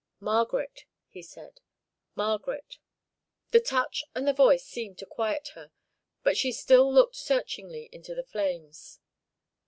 "Margaret," he said; "Margaret." The touch and the voice seemed to quiet her, but she still looked searchingly into the flames.